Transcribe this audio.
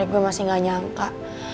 gue masih gak nyangka